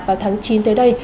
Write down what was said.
vào tháng chín tới đây